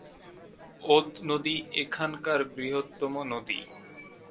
ওদ নদী এখানকার বৃহত্তম নদী।